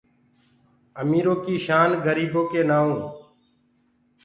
اميرو ڪي شان گريبو ڪي نآئو